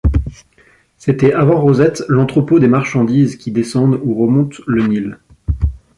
C'était avant Rosette l'entrepôt des marchandises qui descendent ou remontent le Nil.